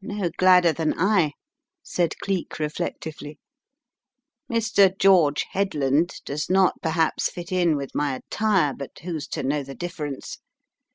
No gladder than I," said Cleek, reflectively. Mr. George Headland does not perhaps fit in with my attire but who's to know the difference.